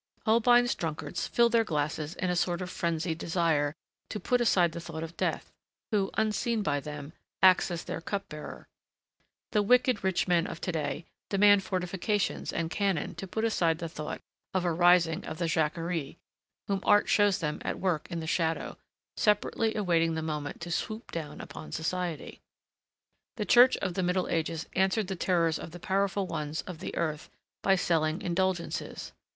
Holbein's drunkards fill their glasses in a sort of frenzied desire to put aside the thought of Death, who, unseen by them, acts as their cup bearer. The wicked rich men of to day demand fortifications and cannon to put aside the thought of a rising of the Jacquerie, whom art shows them at work in the shadow, separately awaiting the moment to swoop down upon society. The Church of the Middle Ages answered the terrors of the powerful ones of the earth by selling indulgences.